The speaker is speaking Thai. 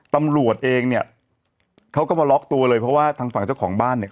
ตำรวจเองเนี่ยเขาก็มาล็อกตัวเลยเพราะว่าทางฝั่งเจ้าของบ้านเนี่ย